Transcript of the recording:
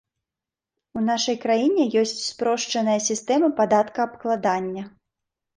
У нашай краіне ёсць спрошчаная сістэма падаткаабкладання.